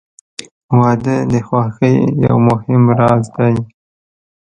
• واده د خوښۍ یو مهم راز دی.